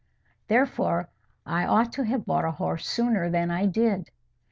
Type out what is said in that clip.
Therefore, I ought to have bought a horse sooner than I did.